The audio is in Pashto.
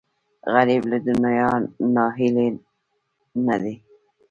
غریب له دنیا ناهیلی نه دی